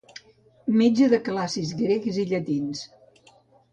També és responsable de la Col·lecció Bernat Metge de clàssics grecs i llatins.